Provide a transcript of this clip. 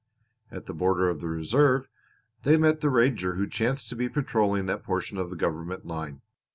At the border of the Reserve they met the ranger who chanced to be patrolling that portion of the government line.